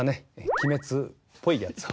鬼滅」っぽいやつを。